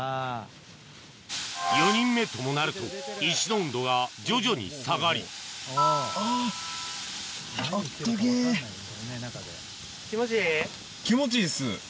４人目ともなると石の温度が徐々に下がり気持ちいい？